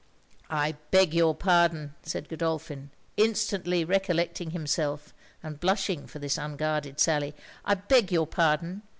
'I beg your pardon,' said Godolphin, instantly recollecting himself, and blushing for this unguarded sally 'I beg your pardon.